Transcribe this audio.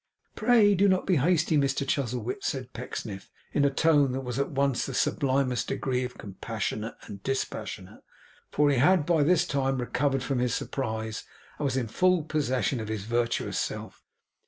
'Pray do not be hasty, Mr Chuzzlewit,' said Pecksniff, in a tone that was at once in the sublimest degree compassionate and dispassionate; for he had by this time recovered from his surprise, and was in full possession of his virtuous self.